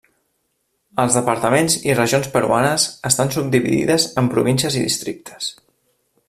Els Departaments i regions peruanes estan subdividides en províncies i districtes.